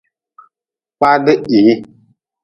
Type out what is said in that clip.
Kpada hii.